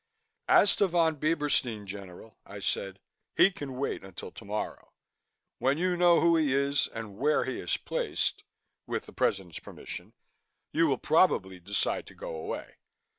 "As to Von Bieberstein, General," I said, "he can wait until tomorrow. When you know who he is and where he is placed with the President's permission you will probably decide to go away.